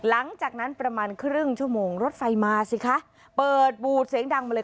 หลังจากนั้นประมาณครึ่งชั่วโมงรถไฟมาสิคะเปิดบูดเสียงดังมาเลย